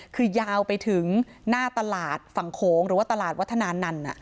คือยาวไปถึงหน้าตลาดฝั่งโขงหรือว่าตลาดวัฒนานันต์